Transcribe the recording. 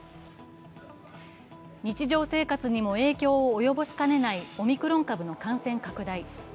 日常生活にも影響を及ぼしかねないオミクロン株の感染拡大。